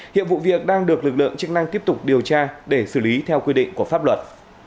hiện vụ việc đang được lực lượng chức năng tiếp tục điều tra để xử lý theo quy định của pháp luật